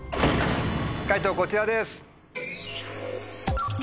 解答こちらです。